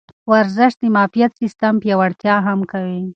ورزش د معافیت سیستم پیاوړتیا هم کوي.